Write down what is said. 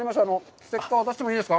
ステッカーはお渡ししてもいいですか。